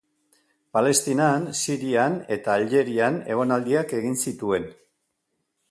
Palestinan, Sirian eta Aljerian egonaldiak egin zituen.